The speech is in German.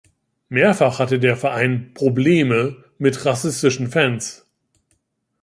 Mehrfach hatte der Verein „Probleme mit rassistischen Fans.